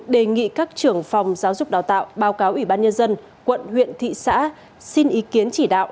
đề nghị các trưởng phòng giáo dục đào tạo báo cáo ủy ban nhân dân quận huyện thị xã xin ý kiến chỉ đạo